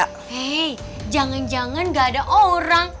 hei jangan jangan gak ada orang